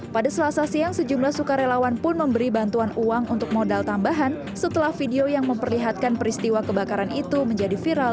pada selasa siang sejumlah sukarelawan pun memberi bantuan uang untuk modal tambahan setelah video yang memperlihatkan peristiwa kebakaran itu menjadi viral